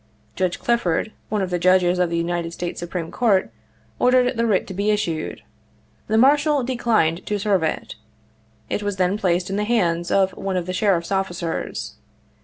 Judge Clifford, one of the Judges of the United States Supreme Court, or dered the writ to be issued. The Marshal declined to serve it. It was then placed in the hands of one of the Sheriff's officers.